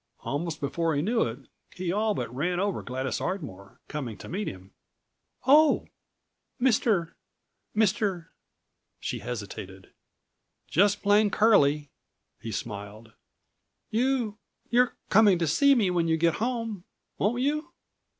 Almost before he knew it, he all but ran over Gladys Ardmore, coming to meet him.232 "Oh, Mister—Mister—" she hesitated. "Just plain Curlie," he smiled. "You—you're coming to see me when you get home? Won't you?"